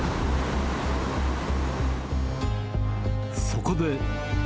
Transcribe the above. そこで。